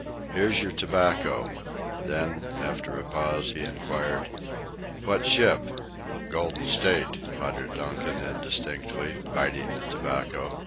"Here's your tobacco." Then, after a pause, he inquired: "What ship?" "Golden State," muttered Donkin indistinctly, biting the tobacco.